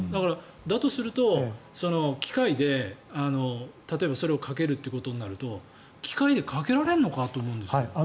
だとすると、機械で例えばそれをかけるということになると機械でかけられるのか？と思うんですけど。